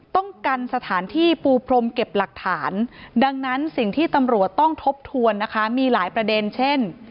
ต้องกันสถานที่ปูพรมเก็บหลักฐานดังนั้นสิ่งที่ตำรวจต้องทบทวนนะคะมีหลายประเด็นเช่น